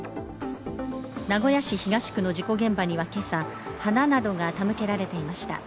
名古屋市東区の事故現場には今朝、花などが手向けられていました。